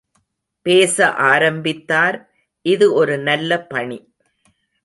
பேச ஆரம்பித்தார் இது ஒரு நல்ல பணி.